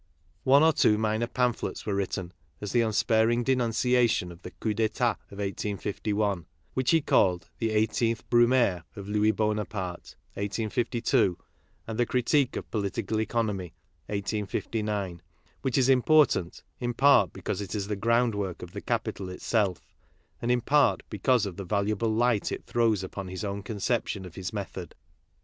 One or two minor pamph lets were written, as the unsparing denunciation of the coup d'etat of 1851, which he called the Eighteenth Brumaire of Louis Bonaparte (1852) and the Critique of Political Economy (1859) which is important, in part because it is the groundwork of the Capital itself and in part because of the valuable light it throws upon his own conception of his method.